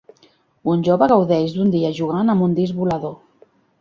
un jove gaudeix d'un dia jugant amb un disc volador.